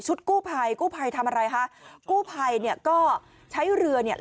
ชุดกู้ไพรกู้ไพรทำอะไรฮะกู้ไพรเนี่ยก็ใช้เรือเนี่ย